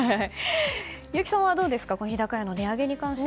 優木さんはどうですかこの日高屋の値上げに関して。